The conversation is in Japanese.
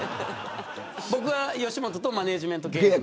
僕は吉本とマネジメント契約。